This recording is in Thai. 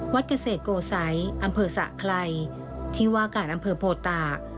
เกษตรโกสัยอำเภอสะไครที่ว่าการอำเภอโพตาก